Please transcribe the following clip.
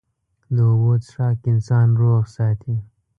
د اوبو څښاک انسان روغ ساتي.